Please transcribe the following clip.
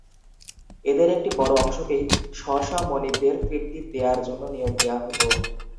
এদের একটা বড় অংশকেই স্ব স্ব মনিবদের তৃপ্তি দেয়ার জন্য নিয়োগ দেয়া হতো।